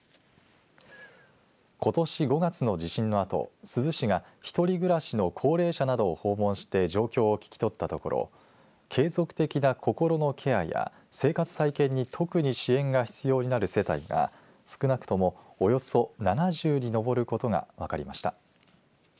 ことし５月の地震のあと珠洲市が１人暮らしの高齢者などを訪問して状況を聞き取ったところ継続的な心のケアや生活再建に特に支援が必要になる世帯が少なくともおよそ７０に上ることが分かりました。